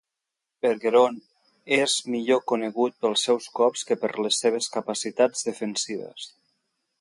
Bergeron es millor conegut pels seus cops que per les seves capacitats defensives.